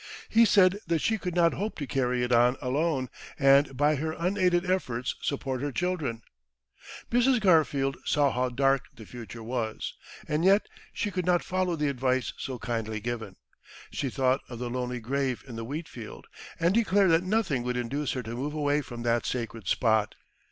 He said that she could not hope to carry it on alone, and by her unaided efforts support her children. Mrs. Garfield saw how dark the future was, and yet she could not follow the advice so kindly given. She thought of the lonely grave in the wheatfield, and declared that nothing would induce her to move away from that sacred spot.